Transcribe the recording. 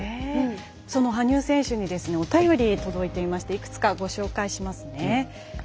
その羽生選手にお便りが届いていましていくつかご紹介しますね。